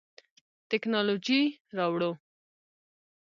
تکنالوژي راوړو.